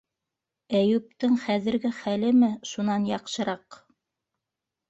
Әйүптең хәҙерге хәлеме шунан яҡшыраҡ?